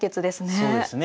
そうですね。